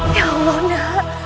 ya allah nak